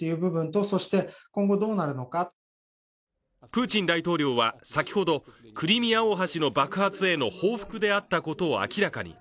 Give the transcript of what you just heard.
プーチン大統領は、先ほどクリミア大橋の爆発への報復であったことを明らかに。